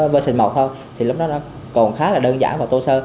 trong version một thì lúc đó nó còn khá là đơn giản và tô sơ